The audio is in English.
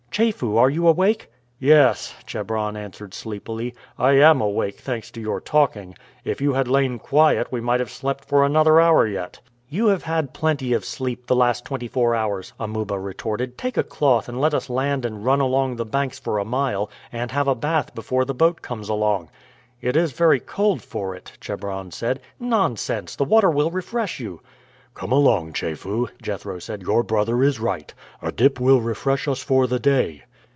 "Chefu, are you awake?" "Yes," Chebron answered sleepily, "I am awake; thanks to your talking. If you had lain quiet we might have slept for another hour yet." "You have had plenty of sleep the last twenty four hours," Amuba retorted. "Take a cloth and let us land and run along the banks for a mile, and have a bath before the boat comes along." "It is very cold for it," Chebron said. "Nonsense! the water will refresh you." "Come along, Chefu," Jethro said, "your brother is right; a dip will refresh us for the day."